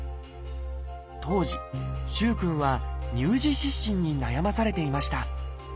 当時萩くんは「乳児湿疹」に悩まされていました。